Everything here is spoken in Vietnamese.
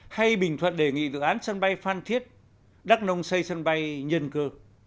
hay bình thuận đề nghị dự án sân bay phan thiết đắk nông xây sân bay nhân cơ